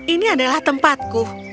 ini adalah tempatku